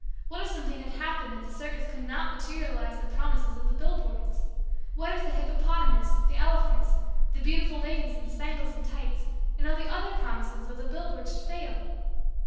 What if something had happened that the circus could not materialize the promises of the billboards? What, if the hippopotamus, the elephants, the beautiful ladies in spangles and tights, and all the other promises of the billboards should fail?"